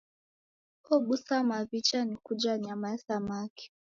Obuswa maw'icha ni kuja nyama ya samaki.